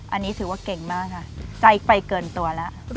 อันนี้ถือว่าเก่งมากค่ะใจไปเกินตัวแล้ว